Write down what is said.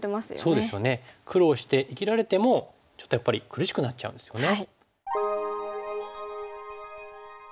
そうですよね苦労して生きられてもちょっとやっぱり苦しくなっちゃうんですよね。